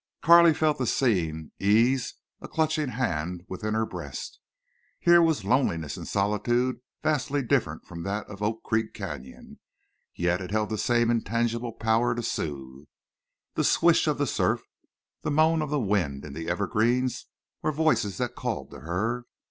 Carley felt the scene ease a clutching hand within her breast. Here was loneliness and solitude vastly different from that of Oak Creek Canyon, yet it held the same intangible power to soothe. The swish of the surf, the moan of the wind in the evergreens, were voices that called to her.